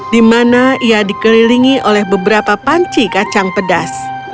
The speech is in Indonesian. di mana ia dikelilingi oleh beberapa panci kacang pedas